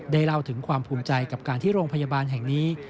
เล่าถึงความภูมิใจกับการที่โรงพยาบาลแห่งนี้